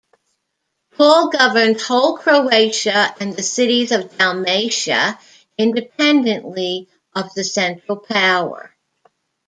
Paul governed whole Croatia and the cities of Dalmatia independently of the central power.